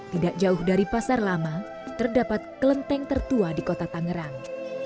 tidak jauh dari pasar lama terdapat kelenteng tertua di kota tangerang